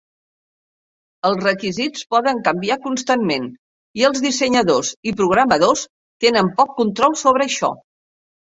Els requisits poden canviar constantment, i els dissenyadors i programadors tenen poc control sobre això.